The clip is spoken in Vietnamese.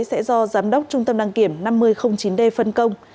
sẽ do giám đốc trung tâm đăng kiểm năm mươi chín d phân công